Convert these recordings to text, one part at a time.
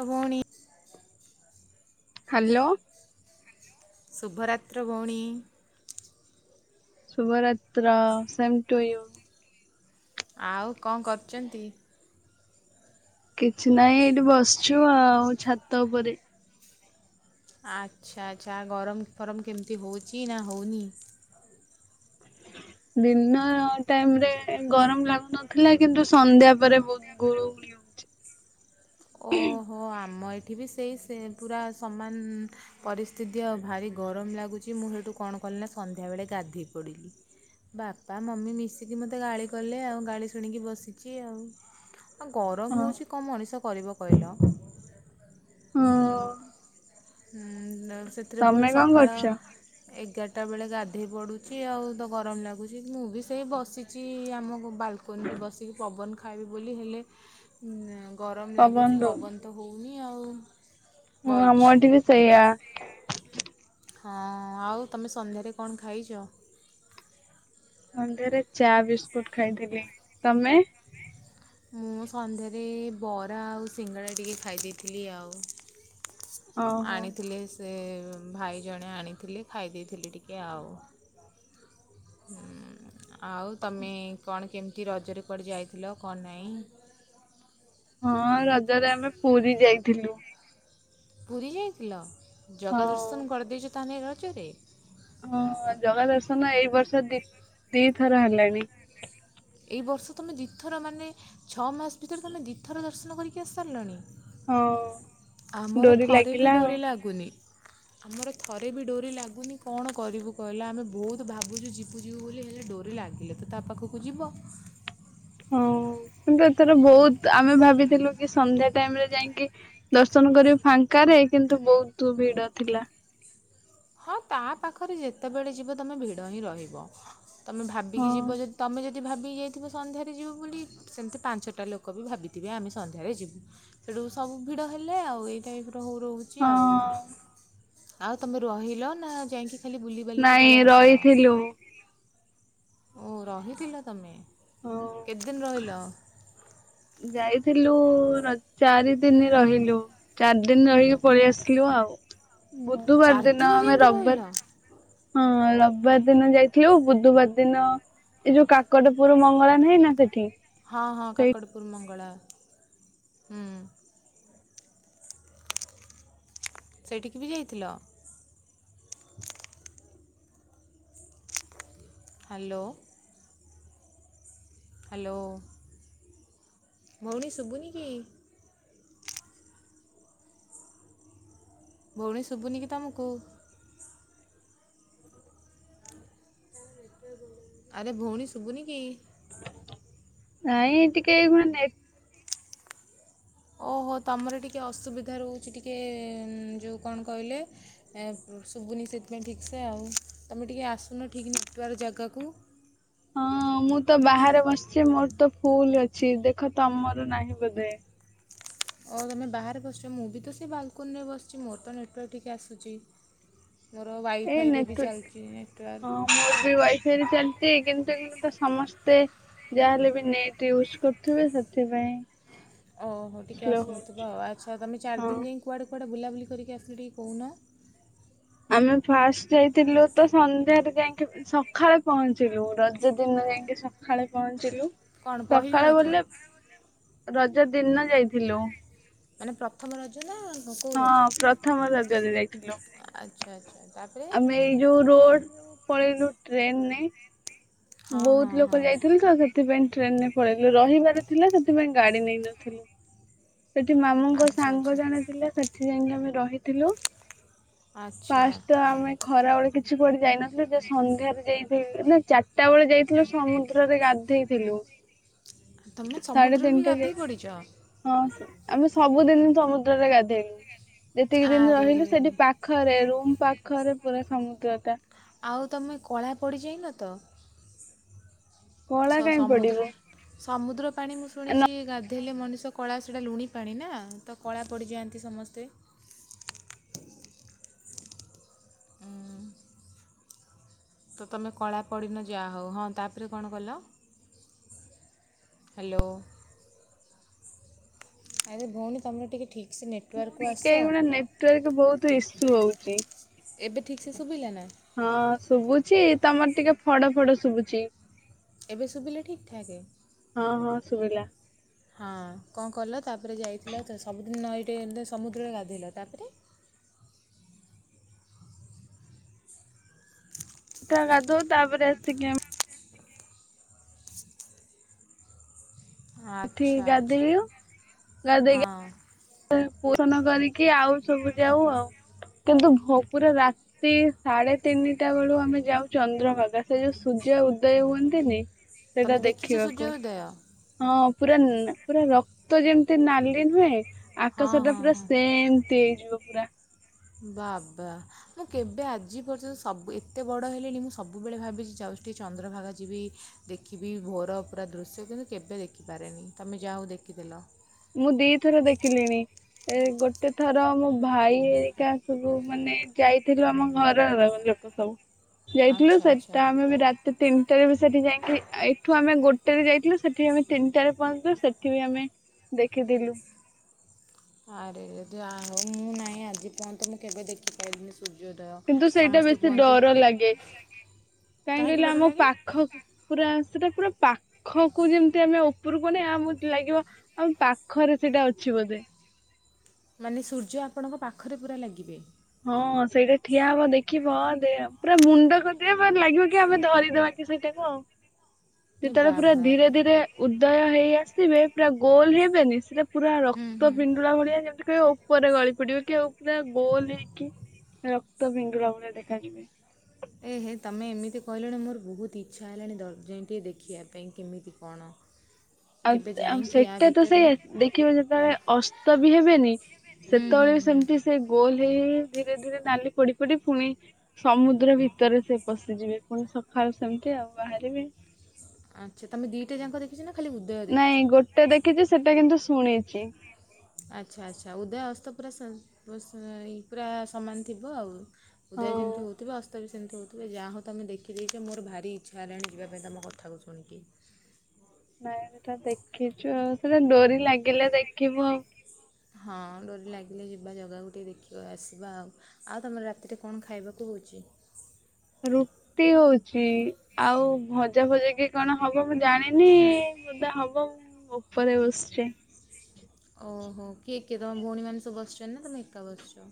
ହଁ ଭଉଣି। ହ୍ୟାଲୋ। ଶୁଭରାତ୍ର ଭଉଣୀ। ଶୁଭରାତ୍ର ସେମ୍ ଟୁୟୁ। ଆଉ କଣ କରୁଛନ୍ତି? କିଛି ନାହିଁ ଏଇଠି ବସିଛୁ ଆଉ ଛାତ ଉପରେ। ଆଚ୍ଛା ଆଚ୍ଛା ଗରମ ଫରମ କେମିତି ହଉଛିି ନା ହଉନି। ଦିନ ଟାଇମ୍ ରେ ଗରମ ଲାଗୁନଥିଲା କିନ୍ତୁ ସନ୍ଧ୍ୟା ପରେ ବହୁତ୍ ଗୁ ଓ ଆମ ଏଠି ବି ସେଇ ସେ ପୁରା ସମାନ। ପରିସ୍ଥିତି ଆଉ ଭାରି ଗରମ ଲାଗୁଛି ମୁଁ ହେଠୁ କଣ କଲି ନା ସନ୍ଧ୍ୟାବେଳେ ଗାଧେଇ ପଡ଼ିଲି। ବାପା ମମି ମିଶିକି ମୋତେ ଗାଳି କଲେ ଆଉ ଗାଳି ଶୁଣିକି ବସିଚି ଆଉ। ଆ ଗରମ ହଁ ହଉଛି କଣ ମଣିଷ କରିବ କହିଲ? ହଁ। ହୁଁ ସେଥିରେ ପୁଣି ତମେ କଣ ସକାଳ କରୁଛ? ଏଗାରଟା ବେଳେ ଗାଧୋଇ ପଡ଼ୁଚି। ଆଉ ତ ଗରମ ଲାଗୁଚି ମୁଁ ବି ସେଇ ବସିଚି ଆମ ବାଲକୋନିରେ ବସିକି ପବନ ଖାଇବି ବୋଲି ହେଲେ ଉଁ ଗରମ ଲାଗୁଚି ପବନ ତ ହଉନି ଆଉ। ହଁ ବଇଛି ମୋଠି ବି ସେଇଆ। ହଁ ଆଉ ତମେ ସନ୍ଧ୍ୟାରେ କଣ ଖାଇଚ? ସନ୍ଧ୍ୟାରେ ଚା ବିସ୍କୁଟ ଖାଇଥିଲି। ତମେ? [inaudible] ମୁଁ ସନ୍ଧ୍ୟାରେ ବରା ଆଉ ସିଙ୍ଗଡ଼ା ଟିକେ ଖାଇ ଦେଇଥିଲି ଆଉ। ଓହୋ ଆଣିଥିଲେ। ଏ ଭାଇ ଜଣେ ଆଣିଥିଲେ। ଖାଇ ଦେଇେଇଥିଲି ଟିକେ ଆଉ। ହୁଁ। ଆଉ ତମେ କଣ କେମିତି ରଜରେ କୁଆଡ଼େ ଯାଇଥିଲ କଣ ନାହିଁ? ହଁ ରଜରେ ଆମେ ପୁରୀ ଯାଇଥିଲୁ। ପୁରୀ ଯାଇଥିଲ? ହଁ ଜଗା ଦର୍ଶନ କରିଦେଇଚ ତାହେଲେ ରଜରେ? ହଁ ଜଗା ଦର୍ଶନ ଏଇ ବର୍ଷ ଦି ଦିଥର ହେଲାଣି। ଏଇ ବର୍ଷ ତୁମେ ଦିଇଥର ମାନେ ଛଅ ମାସ ଭିତରେ ତୁମେ ଦିଇଥର ଦର୍ଶନ କରିକି ଆସିସାରିଲଣି? ହଁ। ଆମର ଡୋରି ଥରେ ବି ଲାଗିଲା ଆଉ। ଡୋରି ଲାଗୁନି। ଆମର ଥରେ ବି ଡୋରି ଲାଗୁନି। କଣ କରିବୁ କହିଲ। ଆମେ ବହୁତ ଭାବୁଚୁ ଯିିବୁ ଯିବୁ ବୋଲି ହେଲେ ଡୋରି ଲାଗିଲେ ତ ତା ପାଖକୁ ଯିବ। ହଁ କିନ୍ତୁ ଏଥର ବହୁତ, ଆମେ ଭାବିଥିଲୁ କି ସନ୍ଧ୍ୟା ଟାଇମରେ ଯାଇକି ଦର୍ଶନ କରିବୁ ଫାଙ୍କାରେ, କିନ୍ତୁ ବହୁତ ଭିଡ ଥିଲା। ହଁ ତା ପାଖରେ ଯେତେବେଳେ ବି ଯିବ ତମେ ଭିଡ ହିଁ ରହିବ। ତମେ ହଁ ଭାବିକି ଯିବ ଯଦି ତମେ ଯଦି ଯ ଭାବି ଯାଇଥିବ ସନ୍ଧ୍ୟାରେ ଯିବ ବୋଲି। ସେମିତି ପାଞ୍ଚଟା ଲୋକ ବି ଭାବିଥିବେ ଆମେ ସନ୍ଧ୍ୟାରେ ଯିବୁ। ଠୁ ସବୁ ଭିଡ ହେଲେ ଏଇ ଟାଇପ୍ ର ରହୁ ରହୁଚି ଆଉ ହଁ ଆଉ ତମେ ରହିଲ ନା ଯାଇକି ଖାଲି ବୁଲି ବାଲିକି ନାଇଁ ପଳେଇ ଆସିଲ? ରହିଥିଲୁ ଓ ରହିଥିଲ ତମେ। ହଁ। କେତେଦିନ ରହିଲ? ଯାଇଥିଲୁ ର ଚାରି ଦିନ ରହିଲୁ। ଚାରି ଦିନ ରହିକି ପଳେଇ ଆସିଲୁ ଆଉ। ବୁଧବାର ଚାରି ଦିନ ଆମେ ଯାଇକି ରହିଲ ରବିବାର ହଁ ରବିବାର ଦିନ ଯାଇଥିଲୁ ବୁଧବାର ଦିନ ଏଇ ଯୋଉ କା କଟ ପୁର ମଙ୍ଗଳା ନାହିଁ ନା ସେଠି? ହଁ ହଁ ସେଇ କାକଟପୁର ମଙ୍ଗଳା ହୁଁ। ସେଇଠିକି ବି ଯାଇଥିଲ? ହାଲୋ। ହାଲୋ ଭଉଣୀ ଶୁଭୁନି କି? ଭଉଣୀ ଶୁଭୁନି କି ତମକୁ? ଆରେ ଭଉଣୀ ଶୁଭୁନି କି? ନାଇଁ ଟିକେ ମାନେ ନେଟ ଓହୋ ତମର ଟିକିଏ ଅସୁବିଧା ରହୁଚି ଟିକେ ଯେଉଁ କଣ କହିଲେ ଏ ଶୁଭୁନି ସେଥିପାଇଁ ଠିକସେ ଆଉ। ତୁମେ ଟିକେ ଆସୁନ ଠିକ୍ ନେଟୱାର୍କ ଜାଗାକୁ। ହଁ ମୁଁ ତ ବାହାରେ ବସିଚି ମୋର ତ ଫୁଲ ଅଛି। ଦେଖ ତମର ନାହିଁ ବୋଧେ? ଓ ହୋ ତମେ ବାହାରେ ବସିଚ। ମୁଁ ବି ତ ସେ ବାଲକୁନି ରେ ବସିଚି। ମୋର ତ ନେଟୱାର୍କ ଠିକ୍ ସେ ଆସୁଚି। ମୋର ଏଇ ୱାଇଫାଇରେ ବି ନେଟୱାର୍କ ଚାଲିଚି ନେଟୱାର୍କ। ହଁ ମୋର ବି ୱାଇଫଇରେ ଚାଲିଚି କିନ୍ତୁ ଏଟି ଗୋଟେ ସମସ୍ତେ ଯାହାହେଲେ ବି ନେଟ ୟୁଜ କରୁଥିବେ। ସେଥିପାଇଁ ଓହୋ ଟିକେ ସ୍ଲୋ ହଉଛି ଆସୁନଥିବ। ଆଚ୍ଛା ତମେ ଚାରି ହଁ। ଦିନ ଯାଇକ କୁଆଡ଼େ କୁଆଡ଼େ ବୁଲାବୁଲି କରିକି ଆସିଲ ଟିକେ କହୁନ। ଆମେ ଫାଷ୍ଟ ଯାଇଥିଲୁ ତ ସନ୍ଧ୍ୟାରେ ଯାଇକି ସଖାଳେ ପହଞ୍ଚିଲୁ। ରଜ ଦିନ ଯାଇକି ସକାଳେ ପହଞ୍ଚିଲୁ। କ'ଣ ପହିଲି ସକାଳେ ରଜ ବଲେ ରଜ ଦିନ ଯାଇଥିଲୁ। ମାନେ ପ୍ରଥମ ରଜ ନା କୋଉ ରଜ? ହଁ ପ୍ରଥମ ରଜରେ ଯାଇଥିଲୁ ଆଚ୍ଛା ଆଚ୍ଛା ତା ପରେ। ଆମେ ଏଇ ଯୋଉ ରୋଡ ପଳେଇଲୁ ଟ୍ରେନରେ ହଁ ହଁ ବୋଉତ ଲୋକ ହଁ ଯାଇଥିଲେ ତ ସେ ସେଥିପାଇଁ ଟ୍ରେନରେ ପଳେଇଲୁ ରହିବାର ଥିଲା ସେଥିପାଇଁ ଗାଡି ନେଇନଥିଲୁ। ସେଠି ମାମୁଙ୍କ ଆଚ୍ଛା ସାଙ୍ଗ ଆଚ୍ଛା ଜଣେ ଥିଲେ ସେଟି ଯାଇକି ଆମେ ରହିଥିଲୁ। ଆଚ୍ଛା ପାଷ୍ଟଟା ଆମେ ଖରାବେେଳେ କିଛି ପଡି ଯାଇନଥିଲୁ ଯେ ସନ୍ଧ୍ୟାରେ ଯାଇଥିଲୁ ନା ଚା ଟା ବେଳେ ଯାଇ ଥିଲୁ ସମୁଦ୍ରରେ ଗାଧେଇଥିଲୁ ତମେ ସାଢେ ସମୁଦ୍ରରେ ବି ତିନିଟା ଗାଧେଇ ଯାଇ ପଡ଼ିଛ ହଁ ଆମେ ସବୁଦିନ ସମୁଦ୍ରରେ ଗାଧେଇଲୁ ଯେତିକି ଦିନି ଆରେ ରେ ରହିଲୁ ସେଠି ପାଖ ଖରେ ରୁମ ପାଖରେ ପୁରା ସମୁଦ୍ରଟା। ଆଉ ତମେ କଳା ପଡ଼ିଯାଇନ ତ। କଳା ସ- କାଇଁ ସମୁଦ୍ର ପଡିବୁ। ସମୁଦ୍ର ପାଣି ମୁଁ ଶୁଣିଚି ଗାଧେଇଲେ କଲେ ମଣିଷ କଳା ସେଇଟା ଲୁଣି ପାଣି ନା ତ କଳା ପଡ଼ିଯାଆନ୍ତି ସମସ୍ତେ। ଉଁ, ତ ତମେ କଳା ପଡ଼ିନ ଯାହାହଉ ହଁ ତାପରେ କଣ କଲ। ହ୍ୟାଲୋ ଆରେ ଭଉଣୀ ତମର ଟିକେ ଠିକ ସେ ନେଟୱାର୍କକୁ ଆସ। ନେଟୱାର୍କ ବୋହୁତ ଇସୁ ହୋଉଚି। ଏବେ ଠିକ୍ ସେ ଶୁବିଲା ନା। ହଁ ଶୁବୁଚି ତମର ଟିକେ ଫଡ ଫଡ ଶୁବୁଚି। ଏବେ ଶୁବିଲା ଠିକ୍ ଠାକେ। ହଁ ହଁ ଶୁବିଲା। ହଁ କଣ କଲ ତାପରେ ଯାଇଥିଲ ତ ସବୁଦିନ ନଈଟେ ସମୁଦ୍ରରେ ଗାଧେଇଲ ତାପରେ। ଟା ଗାଧୋଉ ତାପରେ ଆସିକି ଏଠି ଆଚ୍ଛା ଆଚ୍ଛା ଗାଧେଇଲୁ ହଁ। ପୁରନ କରିକି ଆଉ ସବୁ ଯାଉ ଆଉ କିନ୍ତୁ ଭୋକରେ ରାତି ରାତି ସାଢେ ତିନିଟା ବେଳୁ ଆମେ ଯାଉ ଚନ୍ଦ୍ରଭାଗା ସେ ଯୋଉ ସୂର୍ଯ୍ୟ ଉଦୟ ହୁଅନ୍ତିନି। ସେଇଟା ଦେଖିବାକୁ। ଉଦୟ। ହଁ ପୁରା ପୁରା ରକ୍ତ ଯେମିତି ନାଲି ନୁହେଁ ହଁ ଆକାଶ ଟା ହଁ ପୁରା ହଁ ସେମ ତି ହେଇଯିବ ପୁରା। ବାବା। ମୁଁ କେବେ ଆଜି ପର୍ଯ୍ୟନ୍ତ ସବୁ ଏତେ ବଡ଼ ହେଲିଣି ମୁଁ ସବୁବେଳେ ଭାବିଚି ଯାଉଚି ଟିକେ ଚନ୍ଦ୍ରଭାଗା ଯିବି। ଦେଖିବି ଭୋର ପୁରା ଦୃଶ୍ୟ କିନ୍ତୁ କେବେ ଦେଖିପାରେନି ତୁମେ ଯାହାଉ ଦେଖିଦେଲ। ମୁଁ ଦିଥର ଦେଖିଲିଣି। ଏ ଗୋଟେ ଥର ମୋ ଭାଇ ଏରିକା ସବୁ ମାନେ ଯାଇଥିଲୁ ଆମ ଘରର ଲୋ ସବୁ ଯାଇଥିଲୁ ଆଚ୍ଛା ଆଚ୍ଛା ସେଟା ଆମେ ବି ରାତି ରାତି ତିନିଟାରେ ବି ସେଠି ଯାଇକି ଏଇଠୁ ଆମେ ଗୋଟେରେ ଯାଇଥିଲୁ ସେଠି ଆମେ ତିନିଟାରେ ପହଞ୍ଚିଲୁ ସେଠି ବି ଆମେ ଦେଖିଥିଲୁ। ଆରେ ଯାହା ହଉ ମୁଁ ନାହିଁ ଆଜି ପୁର୍ଯ୍ୟନ୍ତ ମୁଁ କେବେ ଦେଖିପାଇଲିନି ସୂର୍ଯ୍ୟୋଦୟ। କିନ୍ତୁ ସେଇଟା ସମସ୍ତେ ବେଶୀ କୁହନ୍ତି ଡର ଲାଗେ କାହିଁ କାହିଁକି କହିଲେ ଡର ଆମ ଲାଗେ ପାଖ ପୁରା ସେଟା ପୁରା ପାଖକୁ ଯେମତି ଆମେ ଉପରକୁ ଅନେଇବା ମତେ ଲାଗିବ ଆମ ପାଖରେ ସେଇଟା ଅଛି ବୋଧେ। ମାନେ ସୂର୍ଯ୍ୟ ଆପଣଙ୍କ ପାଖରେ ପୁରା ଲାଗିବେ। ହଁ ସେଇଟା ଠିଆ ହବ ଦେଖିବ ପୁରା ମୁଣ୍ଡ କତିରେ ପୁରା ଲାଗିବ କି ଆମେ ଧରିଦବାକି। ସେଇଟା କୁ ଆଉ। ଏ ଯେତେବେଳେ ପୁରା ବାବା ଧୀରେ ଧୀରେ ଉଦୟ ହେଇ ଆସିବେ ପୁରା ଗୋଲ ହେବେନି ସେ ପୁରା ହୁଁ ରକ୍ତ ହୁଁ ପିଣ୍ଡୁଳା ଭଳିଆ ଯେମିତି କି ଉପରେ ଗଳି ପଡିବ କି ଉପରେ ଗୋଲ ହେଇକି କି ରକ୍ତ ପିଣ୍ଡୁଳା ଭଳିଆ ଦେଖାଯିବେ। ଏ ହେ ତମେ ଏମିତି କହିଲଣି ମୋର ବହୁତ ଇଚ୍ଛା ହେଲାଣି ଦଯେଇ ଯାଇ ଟିକେ ଦେଖିବା ପାଇଁ କେମିତି କଣ। ଆଉ କେବେ ଆଉ ଯାଇକି ଆ ସେଟା ତ ଭିତରେ ସେୟା ଦେଖିବ ଯେତେବେଳେ ଅସ୍ତ ବି ହେବେନି, ହୁଁ ହୁଁ ସେତେବେଳେ ବି ହୁଁ ସେମିତି ସେ ଗୋଲ ହେଇ ହେଇ ଧୀରେ ଧୀରେ ନାଲି ପଡି ପଡି ପୁଣି। ସମୁଦ୍ର ଭିତରେ ସେ ପଶିଯିବେ ପୁଣି ସକାଳୁ ସେମିତି ଆଉ ବାହାରିବେ‌। ଆଚ୍ଛା ତମେ ଦିଟା ଯାକ ଦେଖିଛ ନା ଖାଲି ଉଦୟ ଦେଖିଛ। ଏଟା ଦେଖିଛି ସେଟା କିନ୍ତୁ ଶୁଣିଛି। ଆଚ୍ଛା ଆଚ୍ଛା ଉଦୟ ଅସ୍ତ ପୁରା ସ ପୁରା ସମାନ ଥିବ ଆଉ। ହଁ ଉଦୟ ଯେମିତି ହଉଥିବ ଅସ୍ତ ବି ସେମିତି ହଉଥିବ। ତୁମେ ଯାହା ହଉ ତୁମେ ଦେଖିେଦେଇଛ ମୋର ଭାରି ଇଚ୍ଛା ହେଲାଣି ଯିବା ପାଇଁ ତମ କଥାକୁ ଶୁଣିକି। ନାଇଁ ସେଟା ଦେଖିଛୁ ଆଉ ସେଟା ଡୋରି ଲାଗିଲେ ଦେଖିବୁ ଆଉ। ହଁ ଡୋରି ଲାଗିଲେ ଯିବା ଜଗାକୁ ଟିକେ ଦେଖିବା ଆସିବା ଆଉ। ଆଉ ତମର ରାତିରେ କଣ ଖାଇବାକୁ ହଉଛି। ରୁଟି ହଉଛି ଆଉ ଭଜା ଫଜା କି କଣ ହବ ମୁଁ ଜାଣିନି। ବୋଧେ ହବ ମୁଁ ଉପରେ ବସିଛି। ଓହୋ କିଏ କିଏ ତମ ଭଉଣୀମାନେ ସବୁ ବସିଛନ୍ତି ନା ତୁମେ ଏକା ବସିଛ।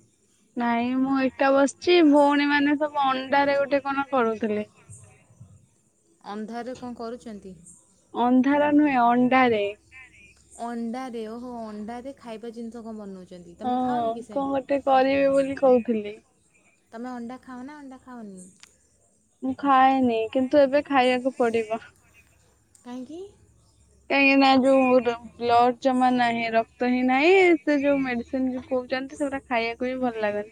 ନାଇଁ ମୁଁ ଏକା ବସିଛି ଭଉଣୀ ମାନେ ସବୁ ଅଣ୍ଡାରେ ଗୋଟେ କଣ କରୁଥିଲେ। ଅନ୍ଧାରରେ କଣ କରୁଛନ୍ତି। ଅନ୍ଧାର ନୁହେଁ ଅଣ୍ଡାରେ। ଅଣ୍ଡାରେ ଓହୋ ଅଣ୍ଡାରେ ଖାଇବା ଜିନିଷ କଣ ବନଉଛି। ଛନ୍ତି ତମେ ହଁ ଖାଅନି କି ସେ। କଣ ଗୋଟେ କରିବେ ବୋଲି କହୁଥିଲି ତମେ ଅଣ୍ଡା ଖାଅ ନା ଅଣ୍ଡା ଖାଅନି। ମୁଁ ଖାଏନି କିନ୍ତୁ ଏବେ ଖାଇବାକୁ ପଡିବ। କାହିଁକି। କାହିଁକି ନାଁ ଯୋଉଁ ର। ବ୍ଲଡ ଜମା ନାହିଁ ରକ୍ତହିଁ ନାହିଁ ସେ ଯୋଉଁ ମେଡ଼ିସିନ୍ ଯେଉଁ କହୁଛନ୍ତି ସେଗୁରା ଖାଇବାକୁ ବି ଭଲ ଲାଗୁନି।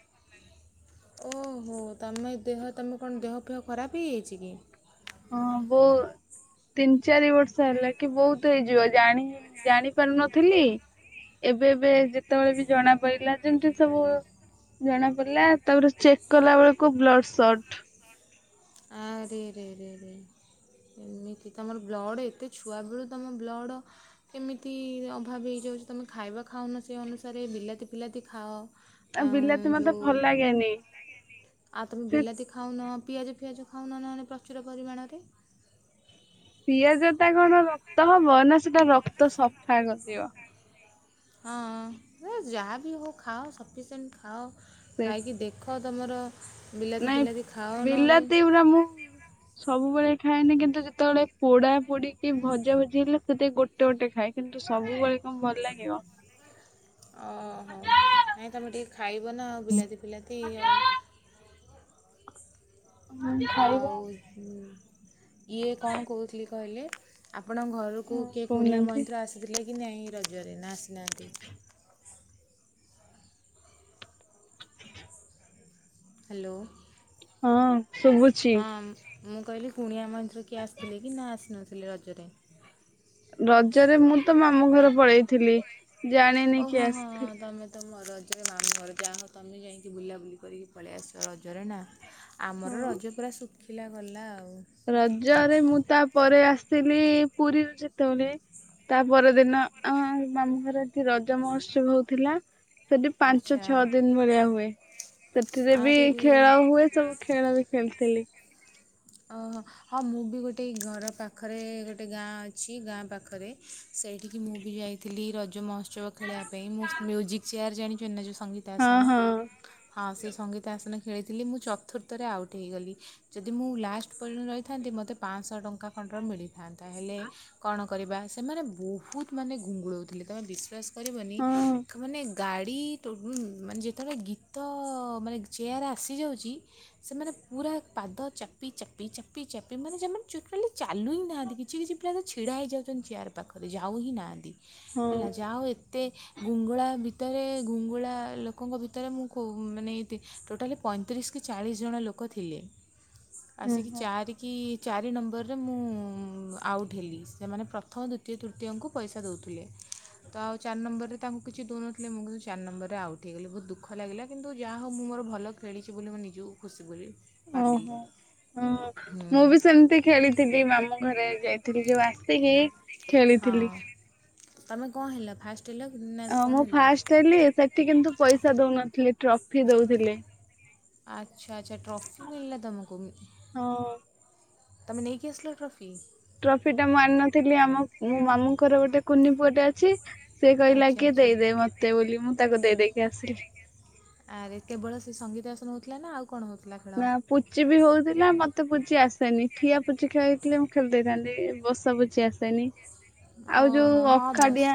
ଓ ହୋ ତମେଦେହ ତମ କଣ ଦେହ ଫେହ ଖରାପ ହେଇଯାଇଛି କି। ହଁ ବୋର୍। ତିନି ଚାରି ବର୍ଷ ହେଲା କି ବହୁତ ହେଇଯିବ ଜାଣିନୀ ଜାଣିପାରୁନଥିଲି। ଏବେ ଏବେ ଯେତେବେଳେ ବି ଜଣା ପଇଲା ଯେମିତି ସବୁ। ଜଣା ପଡିଲା ତାପରେ ଚେକ୍ କଲାବେଳକୁ ବ୍ଲଡ଼ ସଟ୍। ଆରେ ଆରେ ଆରେ ଆରେ। ଏମିତି ତମର ବ୍ଲଡ଼ ଏତେ ଛୁଆବେଳୁ ତମ ବ୍ଲଡ଼। କେମିତି ଅଭାବ ହେଇଯାଉଛି ତୁମେ ଖାଇବା ଖାଉନ ସେ ଅନୁସାରେ ବିଲାତି ଫିଲାତି ଖାଅ। ଆଉ ଆଁ ବିଲାତି ମତେ ଯୋଉଁ ଭଲ ଲାଗେନି ଆତମେ ସେ ବିଲାତି ଖାଁ। ଖାଉନ ପିଆଜ ଫିଆଜ ଖାଉନ ନ ହେଲେ ପ୍ରଚୁର ପରିମାଣରେ। ପିଆଜଟା କଣ ରକ୍ତ ହବ ନା ସେଟା ରକ୍ତ ସଫା କରିବ। ହଁ ଅଁ ଏଯାହା ବିି ହଉ ଖାଅ ସଫିସିଏଣ୍ଟ ଖାଅ ସେ ଖାଇକି ଦେଖ। ଖ ତମର। ବିଲାତି ନାଇଁ ଫିଲାତି ଖାଅ ନହେଲେ ବିଲାତି ଗୁଡା ମୁଁ, ସବୁବେଳେ ଖାଏନି କିନ୍ତୁ ଯେତେବେଳେ ପୋଡାପୋଡି କି ଭଜାଭଜି ହେଲେ ସେତ ଗୋଟେ। ଗୋଟେ ଗୋଟେ ଖାଏ କିନ୍ତୁ ସବୁବେଳେ କଣ ଭଲ ଲାଗିବ। ଓ ହୋ ନାହିଁ ତମେ ଟିକେ ଖାଇବ ନା ଆଉ ବିଲାତି ଫିଲାତି ଆଉ। ଆଉଁ ଇଏ କଣ କହୁଥିଲି କହିଲେ। ଆପଣଙ୍କ ଘରକୁ ହଁ କିଏ କୁଣିଆ କହୁନାହାନ୍ତି। ମୈତ୍ର ଆସିଥିଲେ କି ନାହିଁ ରଜରେ ନାଁ ଆସିନାହାନ୍ତି। ଚୁଁ ହ୍ୟାଲୋ। ହଁ ଶୁଭୁଛି। ହଁ ମୁଁ କହିଲି କୁଣିଆ ମୈତ୍ର କିଏ ଆସିଥିଲେ କି ନାଁ ଆସିନଥିଲେ ରଜରେ। ରଜରେ ମୁଁତ ମାମୁଁ ଘର ପଳେଇଥିଲି ଜାଣିନି କିଏ ଆସିଥିଲି। ତମ ରଜରେ ମାମୁଁ ଘର ଯାହଉ ତମେ ଯାଇକି ବୁଲାବୁଲି କରିକି ପଳେଇ ଆସିଲ ରଜରେ ନା। ଆମର ହଁ। ରଜ ପୁରା ଶୁଖିଲା ଗଲା ଆଉ। ରଜରେ ମୁଁ ତାପରେ ଆସିଲି ପୁରୀରୁ ଯେତେବଳେ ତା ପର ଦିନ ଆମ ମାମୁଁ ଘରେ ରଜ ମହୋତ୍ସବ ହଉଥିଲା ସେଠି ପାଞ୍ଚ ଆଚ୍ଛା ଛଅ ଦିନ୍ ଭଳିଆ ହୁଏ ସେଥିରେ ବି ଆରେ ରେ ଖେଳ ହୁଏ ସବୁ ଖେଳବି ଖେଳିଥିଲି। ଓ-ହ- ହଁ ମୁଁ ବି ଗୋଟେ ଘର ପାଖରେ ଗୋଟେ ଗାଁ ଅଛି ଗାଁ ପାଖରେ ସେଇଠିକି ମୁଁ ବି ଯାଇଥିଲି ରଜ ମହୋତ୍ସବ ଖେଳିବା ପାଇଁ ମୁଁ ମ୍ୟୁଜିକ୍ ଚେୟାର୍ ଜାଣିଚନ୍ତି ନା ଯଉ ସଙ୍ଗୀତ୍ ତ ହଁ ଆସନ। ହଁ ହଁ ସେଇ ସଙ୍ଗୀତ ଆସନ ଖେଳିଥିଲି ମୁଁ ଚତୁର୍ଥ ରେ ଆଉଟ୍ ହେଇଗଲି ଯଦି ମୁଁ ଲା ଲାଷ୍ଟ ପର୍ଯନ୍ତ ରହିଥାନ୍ତି ମତେ ପାଞ୍ଚଶ ଟଙ୍କା ଖଣ୍ଡର ମିଳିଥାନ୍ତା ହେଲେ କଣ କରିବା ସେମାନେ ବହୁତ୍ ମାନେ ଘୁଙ୍ଗୁଳଉଥିଲେ ତମେ ବିଶ୍ୱାସ୍ କରିବନି ହଁ ମାନେ ଗାଡ଼ି [unintelligible] ମାନେ ଯେତେବେଳେ ଗୀତ ମାନେ ଚେୟାର୍ ଆସିଯାଉଚି ସେମାନେ ପୁରା ପାଦ ଚାପ୍ ଚାପି- ଚାପି- ଚାପି -ଚାପି ମାନେ ଯେମାନେ ଚାଲୁ ହିଁ ନାହାନ୍ତି କିଛି କିଛି ପିଲା ତ ଛିଡା ହେଇଯାଉଚନ୍ତି ଚେୟାର ପାଖରୁ ଯାଉ ହିଁ ନାହାନ୍ତି ହଁ ହେଲା ଓହୋ ଯାହଉ ଏତେ ଘୁଙ୍ଗୁଳା ଭିତ୍ ଭିତରେ ଘୁଙ୍ଗୁଳା ଲୋକଙ୍କ ଭିତରେ ମୁଁ କୁ ମାନେ ତେ ଟୋଟାଲି ପଇଁତିରିଶ କି ଚାଳିଶ୍ ଜଣ ଲୋକ୍ ଲୋକ ଥିଲେ ଆସିକି ଚାରି କି ଚାରି ନମ୍ବରରେ ମୁଁ ଆଉଟ୍ ହେଲି ସେମାନେ ପ୍ରଥମ, ଦ୍ୱିତୀୟ, ତୃତୀୟଙ୍କୁ ପଇସା ଦଉଥିଲେ। ତ ଆଉ ଚାରି ନମ୍ବର ରେ ତାଙ୍କୁ କିଛି ଦଉନଥିଲେ ମୁଁ କିନ୍ତୁ ଚାରି ନମ୍ବରରେ ଆଉଟ୍ ହେଇଗଲି ବହୁତ ଦୁଃଖ ଲାଗିଲା କିନ୍ତୁ ଯା ହଉ ମୁଁ ମୋର ଭଲ ଖେଳିଚି ବୋଲି ମୁଁ ନିଜକୁ ଖୁସି ବୋଲି ଭାବିଲି। ହୁଁ- ହୁଁ ମୁଁ ବି ସେମିତି ଖେଳିଥିଲି ମାମୁଁ ଘରେ ଯାଇଥିଲି ଯଉ ଆସିକି ଖେଳିଥିଲି ହଁ- ତମେ କଣ ହେଲ ଫାଷ୍ଟେ ହେଲ କି ନା ଅ- କ'ଣ ମୁଁ ହେଲ ଫାଷ୍ଟେ ହେଲି ସେଠି କିନ୍ତୁ ପଇସା ଦଉନଥିଲେ ଟ୍ରଫି ଦଉଥିଲି। ଆଚ୍ଛା ଆଚ୍ଛା ଟ୍ରଫି ମିିଳିଲା ତମକୁ? ହଁ ତମେ ନେଇକି ଆସିଲ ଟ୍ରଫି? ଟ୍ରଫି ଟା ମୁଁ ଆଣି ନଥିଲି ଆମ ମୋ ମାମୁଁଙ୍କ ର ଗୋଟେ କୁନି ପୁଅଟେ ଅଛି ସେ କହିଲା ଆଚ୍ଛା କି ଆଚ୍ଛା ଦେଇଦେ ମତେ ବୋଲି ମୁଁ ତାକୁ ଦେଇଦେଇକି ଆସିଲି। ଆରେ କେବଳ ସେ ସଙ୍ଗୀତ ଆସନ ହଉଥିଲା ନା ଆଉ କଣ ହଉଥିଲା? ନା। ପୁଚି ବି ହଉଥିଲା ମତେ ପୁଚି ଆସେନି ଠିଆ ପୁଚି ଖେଳଥିଲେ ମୁଁ ଖେଳି ଦେଇଥାନ୍ତି ବସା ପୁଚି ଚି ଆସେନି ଆଉ ଯଉ ଓହୋ ହଁ ଅଖା ବସ୍ ଡିଆଁ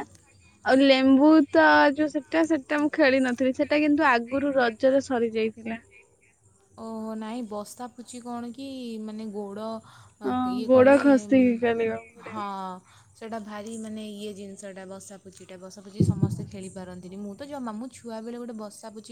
ଆଉ ଲେମ୍ବୁ ତ ଯଉ ସେଟା- ସେଟା ମୁଁ ଖେଳି ନଥିଲି ସେଟା କିନ୍ତୁ ଆଗରୁ ରଜରେ ସରିଯାଇଥିଲା। ଓହୋ ନାଇଁ ବସା ପୁଚି କଣ କି ମାନେ ଗୋଡ଼ ହଁ- ଇଏ ଗୋଡ କଲେ- ଖସିକି ଖେଳିବାକୁ ପଡିବ। ହଁ। ସେଇଟା ଭାରି ମାନେ ଇଏ ଜିନିଷଟା ବସା ପୁଚି ଟା ବସା ପୁଚି ସମସ୍ତେ ଖେଳି ପାରନ୍ତିନି ମୁଁ ତ ଜମା ମୁଁ ଛୁଆବେଳେ ଗୋଟେ ବସା ପୁଚି